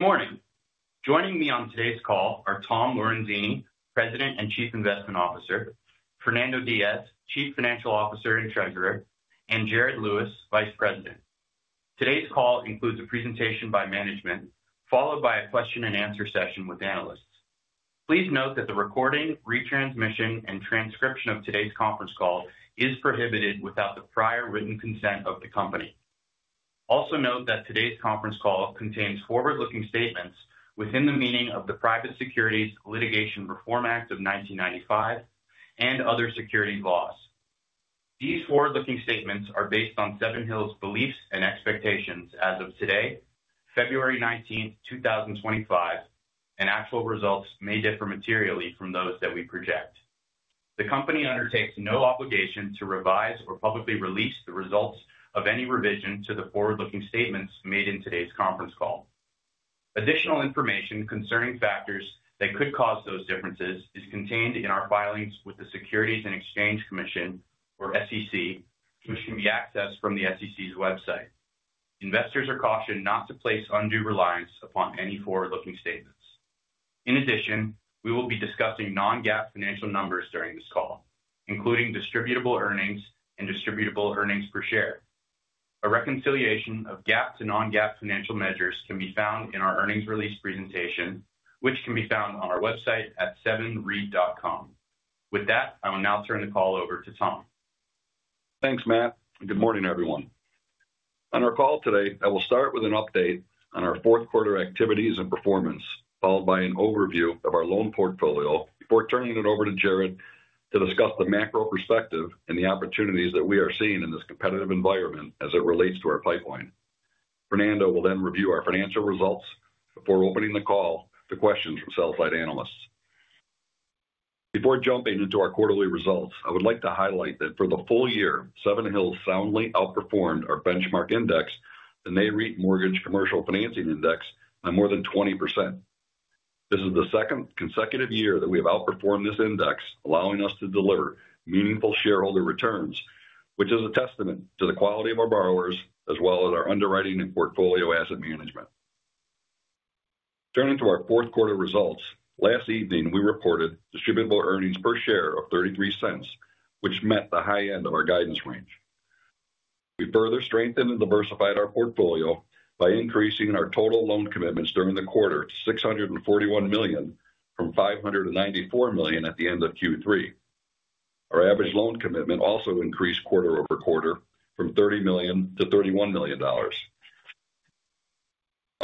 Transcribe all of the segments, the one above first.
Good morning. Joining me on today's call are Tom Lorenzini, President and Chief Investment Officer; Fernando Diaz, Chief Financial Officer and Treasurer; and Jared Lewis, Vice President. Today's call includes a presentation by management, followed by a question-and-answer session with analysts. Please note that the recording, retransmission, and transcription of today's conference call is prohibited without the prior written consent of the company. Also note that today's conference call contains forward-looking statements within the meaning of the Private Securities Litigation Reform Act of 1995 and other securities laws. These forward-looking statements are based on Seven Hills' beliefs and expectations as of today, February 19, 2025, and actual results may differ materially from those that we project. The company undertakes no obligation to revise or publicly release the results of any revision to the forward-looking statements made in today's conference call. Additional information concerning factors that could cause those differences is contained in our filings with the Securities and Exchange Commission, or SEC, which can be accessed from the SEC's website. Investors are cautioned not to place undue reliance upon any forward-looking statements. In addition, we will be discussing non-GAAP financial numbers during this call, including Distributable Earnings and Distributable Earnings per share. A reconciliation of GAAP to non-GAAP financial measures can be found in our earnings release presentation, which can be found on our website at sevnreit.com. With that, I will now turn the call over to Tom. Thanks, Matt. Good morning, everyone. On our call today, I will start with an update on our fourth-quarter activities and performance, followed by an overview of our loan portfolio before turning it over to Jared to discuss the macro perspective and the opportunities that we are seeing in this competitive environment as it relates to our pipeline. Fernando will then review our financial results before opening the call to questions from sell-side analysts. Before jumping into our quarterly results, I would like to highlight that for the full year, Seven Hills soundly outperformed our benchmark index, the Nareit Mortgage Commercial Financing Index, by more than 20%. This is the second consecutive year that we have outperformed this index, allowing us to deliver meaningful shareholder returns, which is a testament to the quality of our borrowers as well as our underwriting and portfolio asset management. Turning to our fourth-quarter results, last evening we reported Distributable Earnings per share of $0.33, which met the high end of our guidance range. We further strengthened and diversified our portfolio by increasing our total loan commitments during the quarter to $641 million from $594 million at the end of Q3. Our average loan commitment also increased quarter over quarter from $30 million to $31 million. Our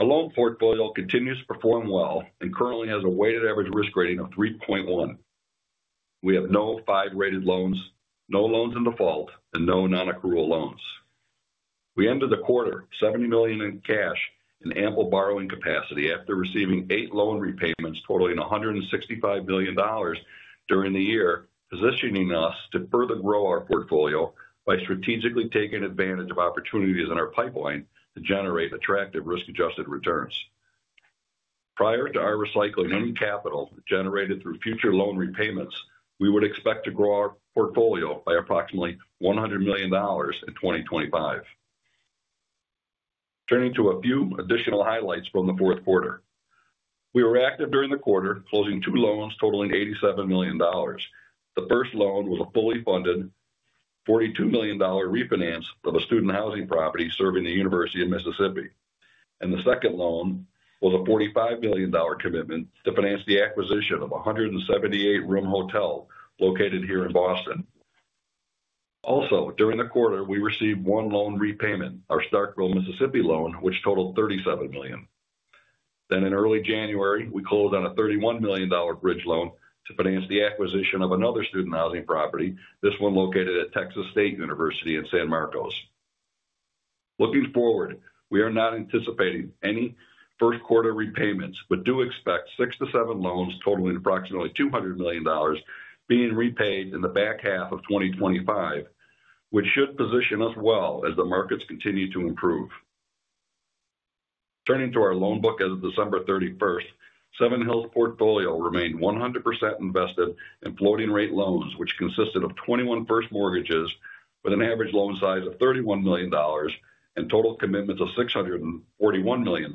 loan portfolio continues to perform well and currently has a weighted average risk rating of 3.1. We have no five-rated loans, no loans in default, and no non-accrual loans. We ended the quarter $70 million in cash and ample borrowing capacity after receiving eight loan repayments totaling $165 million during the year, positioning us to further grow our portfolio by strategically taking advantage of opportunities in our pipeline to generate attractive risk-adjusted returns. Prior to our recycling any capital generated through future loan repayments, we would expect to grow our portfolio by approximately $100 million in 2025. Turning to a few additional highlights from the fourth quarter, we were active during the quarter, closing two loans totaling $87 million. The first loan was a fully funded $42 million refinance of a student housing property serving the University of Mississippi, and the second loan was a $45 million commitment to finance the acquisition of a 178-room hotel located here in Boston. Also, during the quarter, we received one loan repayment, our Starkville, Mississippi loan, which totaled $37 million. In early January, we closed on a $31 million bridge loan to finance the acquisition of another student housing property, this one located at Texas State University in San Marcos. Looking forward, we are not anticipating any first-quarter repayments but do expect six to seven loans totaling approximately $200 million being repaid in the back half of 2025, which should position us well as the markets continue to improve. Turning to our loan book as of December 31, Seven Hills' portfolio remained 100% invested in floating-rate loans, which consisted of 21 first mortgages with an average loan size of $31 million and total commitments of $641 million,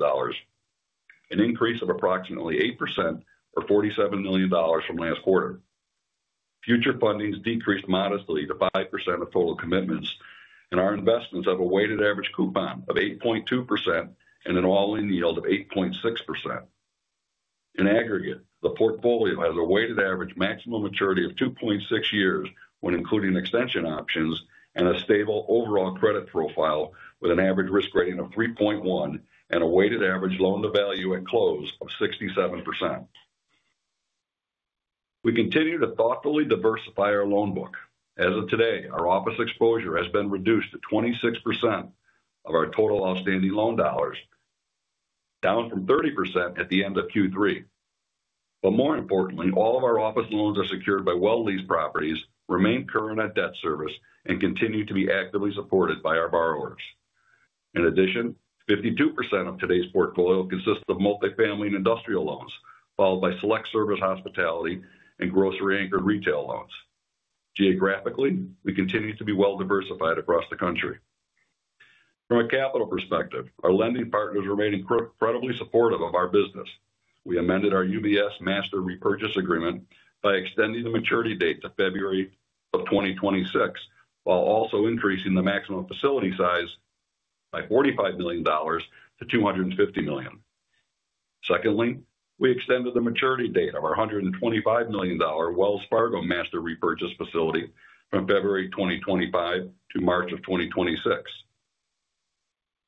an increase of approximately 8% or $47 million from last quarter. Future fundings decreased modestly to 5% of total commitments, and our investments have a weighted average coupon of 8.2% and an all-in yield of 8.6%. In aggregate, the portfolio has a weighted average maximum maturity of 2.6 years when including extension options and a stable overall credit profile with an average risk rating of 3.1 and a weighted average loan-to-value at close of 67%. We continue to thoughtfully diversify our loan book. As of today, our office exposure has been reduced to 26% of our total outstanding loan dollars, down from 30% at the end of Q3. More importantly, all of our office loans are secured by well-leased properties, remain current at debt service, and continue to be actively supported by our borrowers. In addition, 52% of today's portfolio consists of multifamily and industrial loans, followed by select-service hospitality and grocery-anchored retail loans. Geographically, we continue to be well-diversified across the country. From a capital perspective, our lending partners remain incredibly supportive of our business. We amended our UBS Master Repurchase Agreement by extending the maturity date to February of 2026, while also increasing the maximum facility size by $45 million to $250 million. Secondly, we extended the maturity date of our $125 million Wells Fargo Master Repurchase Facility from February 2025 to March of 2026.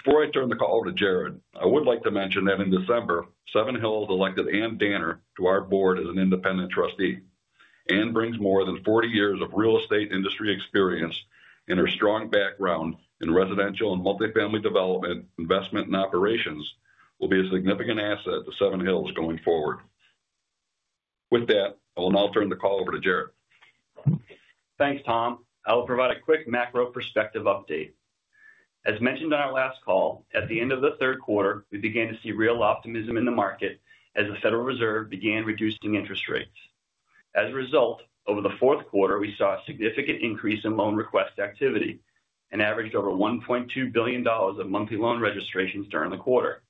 Before I turn the call to Jared, I would like to mention that in December, Seven Hills elected Ann Danner to our board as an independent trustee. Ann brings more than 40 years of real estate industry experience, and her strong background in residential and multifamily development investment and operations will be a significant asset to Seven Hills going forward. With that, I will now turn the call over to Jared. Thanks, Tom. I'll provide a quick macro perspective update. As mentioned on our last call, at the end of the third quarter, we began to see real optimism in the market as the Federal Reserve began reducing interest rates. As a result, over the fourth quarter, we saw a significant increase in loan request activity and averaged over $1.2 billion of monthly loan registrations during the quarter.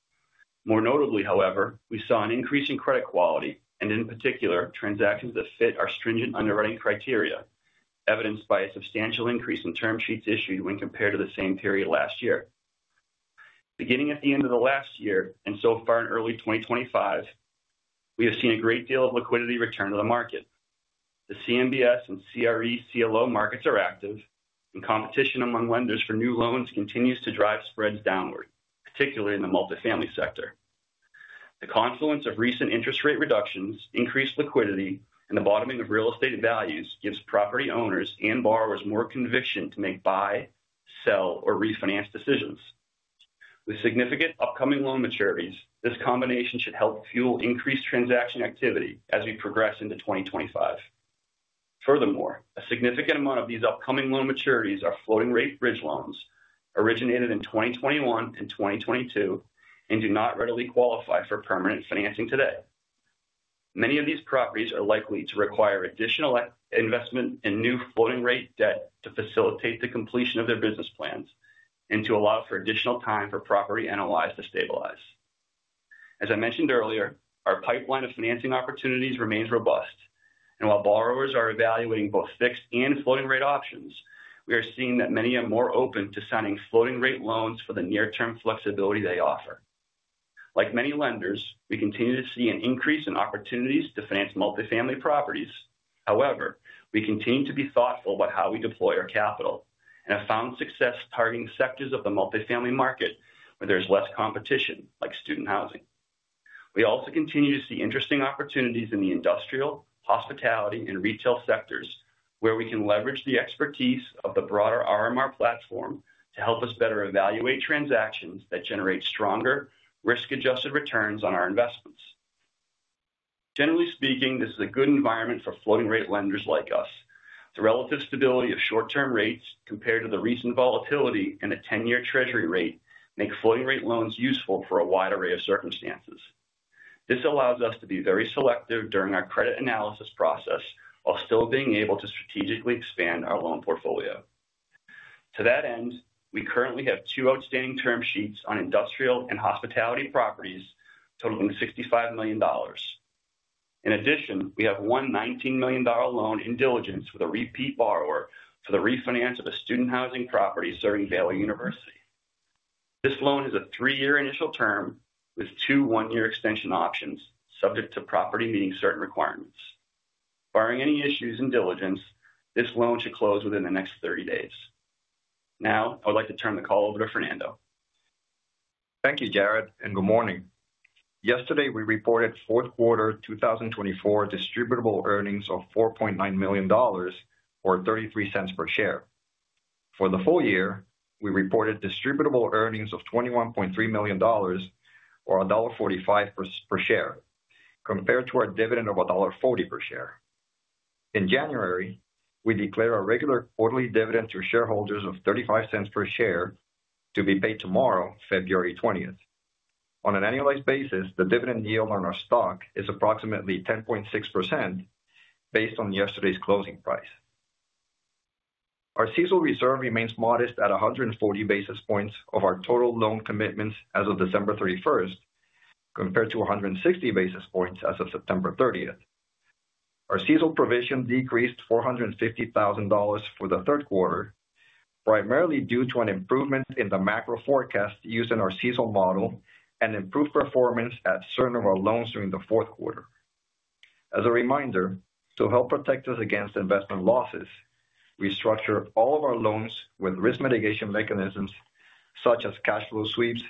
More notably, however, we saw an increase in credit quality and, in particular, transactions that fit our stringent underwriting criteria, evidenced by a substantial increase in term sheets issued when compared to the same period last year. Beginning at the end of the last year and so far in early 2024, we have seen a great deal of liquidity return to the market. The CMBS and CRE CLO markets are active, and competition among lenders for new loans continues to drive spreads downward, particularly in the multifamily sector. The confluence of recent interest rate reductions, increased liquidity, and the bottoming of real estate values gives property owners and borrowers more conviction to make buy, sell, or refinance decisions. With significant upcoming loan maturities, this combination should help fuel increased transaction activity as we progress into 2025. Furthermore, a significant amount of these upcoming loan maturities are floating-rate bridge loans originated in 2021 and 2022 and do not readily qualify for permanent financing today. Many of these properties are likely to require additional investment in new floating-rate debt to facilitate the completion of their business plans and to allow for additional time for property NOIs to stabilize. As I mentioned earlier, our pipeline of financing opportunities remains robust, and while borrowers are evaluating both fixed and floating-rate options, we are seeing that many are more open to signing floating-rate loans for the near-term flexibility they offer. Like many lenders, we continue to see an increase in opportunities to finance multifamily properties. However, we continue to be thoughtful about how we deploy our capital and have found success targeting sectors of the multifamily market where there is less competition, like student housing. We also continue to see interesting opportunities in the industrial, hospitality, and retail sectors where we can leverage the expertise of the broader RMR platform to help us better evaluate transactions that generate stronger risk-adjusted returns on our investments. Generally speaking, this is a good environment for floating-rate lenders like us. The relative stability of short-term rates compared to the recent volatility in a 10-year Treasury rate makes floating-rate loans useful for a wide array of circumstances. This allows us to be very selective during our credit analysis process while still being able to strategically expand our loan portfolio. To that end, we currently have two outstanding term sheets on industrial and hospitality properties totaling $65 million. In addition, we have one $19 million loan in diligence with a repeat borrower for the refinance of a student housing property serving Baylor University. This loan has a three-year initial term with two one-year extension options subject to property meeting certain requirements. Barring any issues in diligence, this loan should close within the next 30 days. Now, I would like to turn the call over to Fernando. Thank you, Jared, and good morning. Yesterday, we reported fourth quarter 2024 Distributable Earnings of $4.9 million or $0.33 per share. For the full year, we reported Distributable Earnings of $21.3 million or $1.45 per share compared to our dividend of $1.40 per share. In January, we declared a regular quarterly dividend to shareholders of $0.35 per share to be paid tomorrow, February 20. On an annualized basis, the dividend yield on our stock is approximately 10.6% based on yesterday's closing price. Our CECL reserve remains modest at 140 basis points of our total loan commitments as of December 31 compared to 160 basis points as of September 30. Our CECL provision decreased $450,000 for the third quarter primarily due to an improvement in the macro forecast used in our CECL model and improved performance at certain of our loans during the fourth quarter. As a reminder, to help protect us against investment losses, we structure all of our loans with risk mitigation mechanisms such as cash flow sweeps,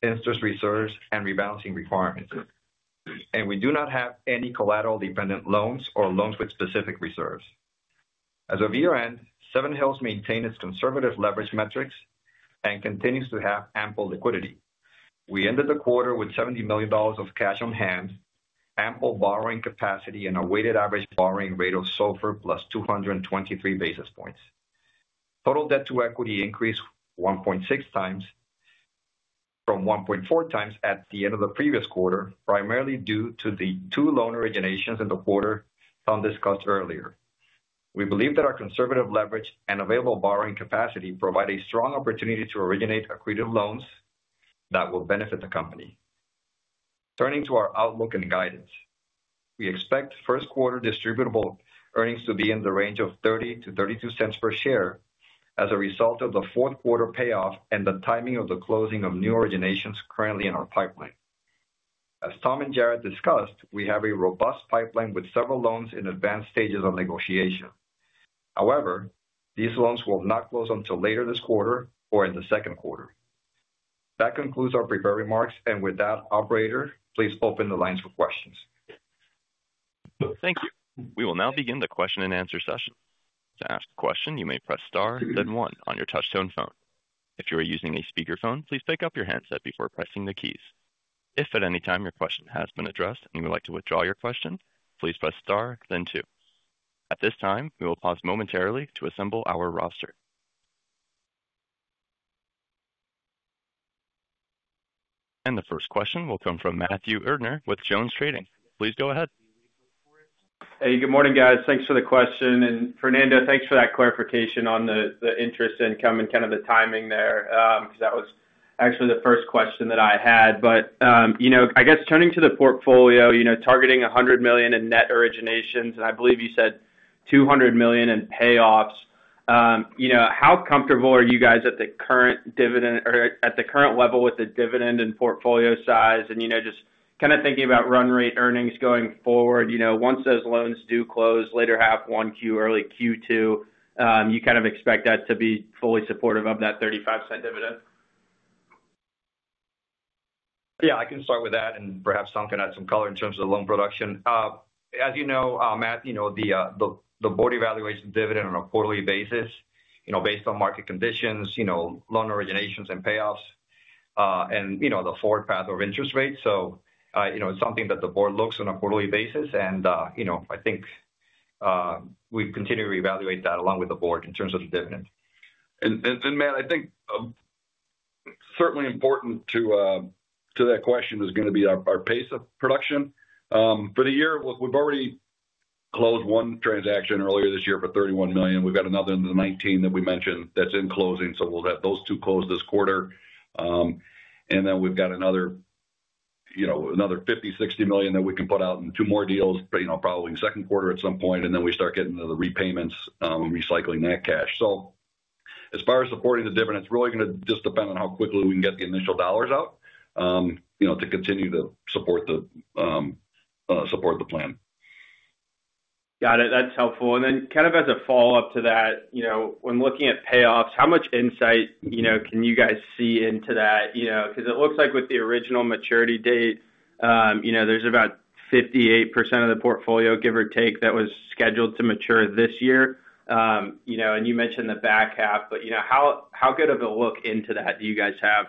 interest reserves, and rebalancing requirements, and we do not have any collateral-dependent loans or loans with specific reserves. As of year-end, Seven Hills maintained its conservative leverage metrics and continues to have ample liquidity. We ended the quarter with $70 million of cash on hand, ample borrowing capacity, and a weighted average borrowing rate of SOFR plus 223 basis points. Total debt-to-equity increased 1.6 times from 1.4 times at the end of the previous quarter, primarily due to the two loan originations in the quarter Tom discussed earlier. We believe that our conservative leverage and available borrowing capacity provide a strong opportunity to originate accretive loans that will benefit the company. Turning to our outlook and guidance, we expect first-quarter Distributable Earnings to be in the range of $0.30-$0.32 per share as a result of the fourth quarter payoff and the timing of the closing of new originations currently in our pipeline. As Tom and Jared discussed, we have a robust pipeline with several loans in advanced stages of negotiation. However, these loans will not close until later this quarter or in the second quarter. That concludes our prepared remarks, and with that, Operator, please open the lines for questions. Thank you. We will now begin the question and answer session. To ask a question, you may press star, then one on your touch-tone phone. If you are using a speakerphone, please pick up your handset before pressing the keys. If at any time your question has been addressed and you would like to withdraw your question, please press star, then two. At this time, we will pause momentarily to assemble our roster. The first question will come from Matthew Erdner with JonesTrading. Please go ahead. Hey, good morning, guys. Thanks for the question. Fernando, thanks for that clarification on the interest income and kind of the timing there because that was actually the first question that I had. I guess turning to the portfolio, targeting $100 million in net originations, and I believe you said $200 million in payoffs, how comfortable are you guys at the current dividend or at the current level with the dividend and portfolio size? Just kind of thinking about run rate earnings going forward, once those loans do close, later half one Q, early Q2, you kind of expect that to be fully supportive of that $0.35 dividend? Yeah, I can start with that and perhaps Tom can add some color in terms of the loan production. As you know, Matt, the board evaluates the dividend on a quarterly basis based on market conditions, loan originations and payoffs, and the forward path of interest rates. It is something that the board looks on a quarterly basis, and I think we continue to evaluate that along with the board in terms of the dividend. Matt, I think certainly important to that question is going to be our pace of production. For the year, we've already closed one transaction earlier this year for $31 million. We've got another in the 2019 that we mentioned that's in closing. We will have those two closed this quarter. We have another $50-$60 million that we can put out in two more deals probably in the second quarter at some point, and we start getting into the repayments and recycling that cash. As far as supporting the dividend, it's really going to just depend on how quickly we can get the initial dollars out to continue to support the plan. Got it. That's helpful. Kind of as a follow-up to that, when looking at payoffs, how much insight can you guys see into that? Because it looks like with the original maturity date, there's about 58% of the portfolio, give or take, that was scheduled to mature this year. You mentioned the back half, but how good of a look into that do you guys have?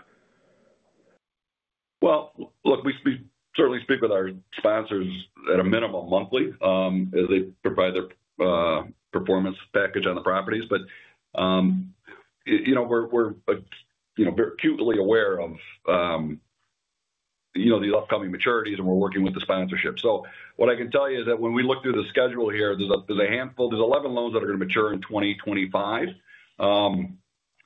Look, we certainly speak with our sponsors at a minimum monthly as they provide their performance package on the properties. We are acutely aware of these upcoming maturities, and we are working with the sponsorship. What I can tell you is that when we look through the schedule here, there is a handful. There are 11 loans that are going to mature in 2025.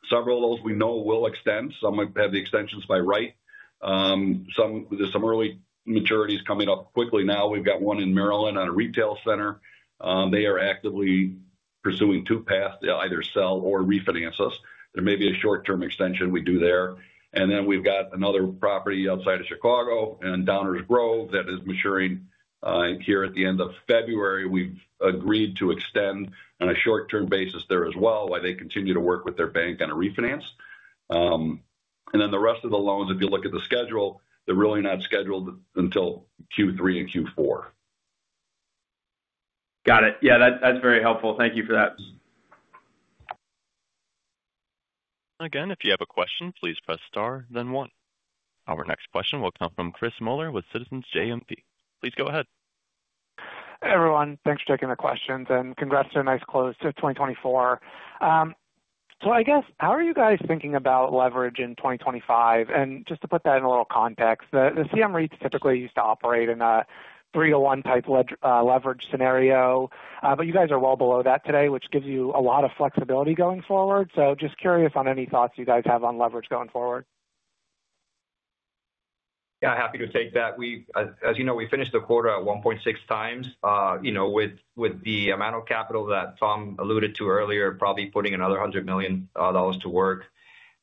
Several of those we know will extend. Some have the extensions by right. There are some early maturities coming up quickly now. We have one in Maryland on a retail center. They are actively pursuing two paths, either sell or refinance us. There may be a short-term extension we do there. We have another property outside of Chicago in Downers Grove that is maturing here at the end of February. We've agreed to extend on a short-term basis there as well while they continue to work with their bank on a refinance. The rest of the loans, if you look at the schedule, they're really not scheduled until Q3 and Q4. Got it. Yeah, that's very helpful. Thank you for that. Again, if you have a question, please press star, then one. Our next question will come from Chris Muller with Citizens JMP. Please go ahead. Hey, everyone. Thanks for taking the questions, and congrats to a nice close to 2024. I guess, how are you guys thinking about leverage in 2025? Just to put that in a little context, the commercial mREITs typically used to operate in a three-to-one type leverage scenario, but you guys are well below that today, which gives you a lot of flexibility going forward. Just curious on any thoughts you guys have on leverage going forward. Yeah, happy to take that. As you know, we finished the quarter at 1.6 times. With the amount of capital that Tom alluded to earlier, probably putting another $100 million to work,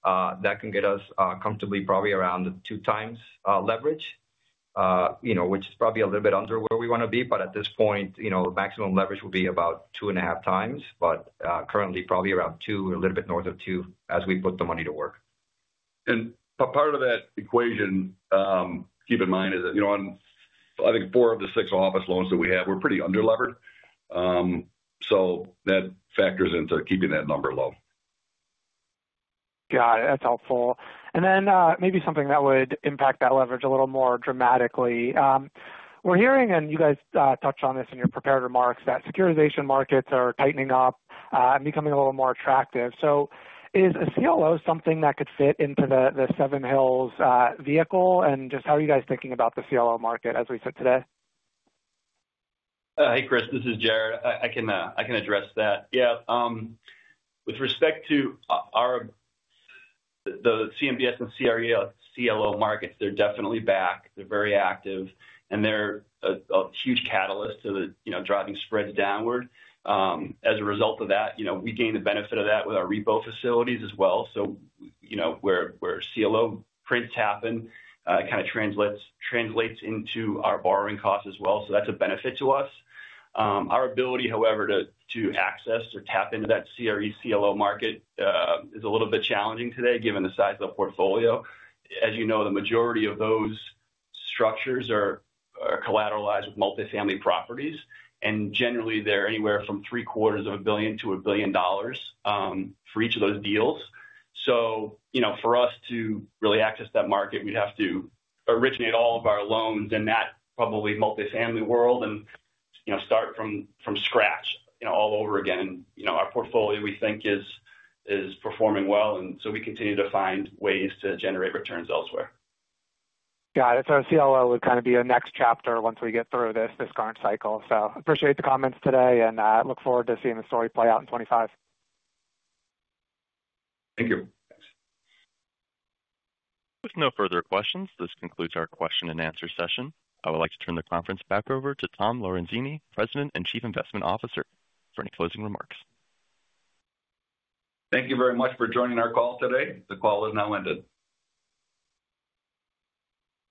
that can get us comfortably probably around the two times leverage, which is probably a little bit under where we want to be. At this point, maximum leverage will be about two and a half times, but currently probably around two, a little bit north of two as we put the money to work. Part of that equation, keep in mind, is that I think four of the six office loans that we have, we're pretty under-levered. So that factors into keeping that number low. Got it. That's helpful. Maybe something that would impact that leverage a little more dramatically. We're hearing, and you guys touched on this in your prepared remarks, that securitization markets are tightening up and becoming a little more attractive. Is a CLO something that could fit into the Seven Hills vehicle? Just how are you guys thinking about the CLO market as we sit today? Hey, Chris, this is Jared. I can address that. Yeah. With respect to the CMBS and CRE CLO markets, they're definitely back. They're very active, and they're a huge catalyst to driving spreads downward. As a result of that, we gain the benefit of that with our repo facilities as well. Where CLO prints happen, it kind of translates into our borrowing costs as well. That's a benefit to us. Our ability, however, to access or tap into that CRE CLO market is a little bit challenging today given the size of the portfolio. As you know, the majority of those structures are collateralized with multifamily properties, and generally, they're anywhere from three-quarters of a billion to a billion dollars for each of those deals. For us to really access that market, we'd have to originate all of our loans in that probably multifamily world and start from scratch all over again. Our portfolio, we think, is performing well. We continue to find ways to generate returns elsewhere. Got it. A CLO would kind of be a next chapter once we get through this current cycle. I appreciate the comments today and look forward to seeing the story play out in 2025. Thank you. With no further questions, this concludes our question and answer session. I would like to turn the conference back over to Tom Lorenzini, President and Chief Investment Officer, for any closing remarks. Thank you very much for joining our call today. The call is now ended.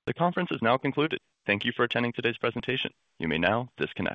The conference is now concluded. Thank you for attending today's presentation. You may now disconnect.